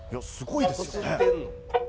すごいですよね。